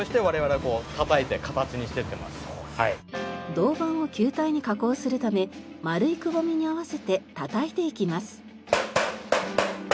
銅板を球体に加工するため丸いくぼみに合わせて叩いていきます。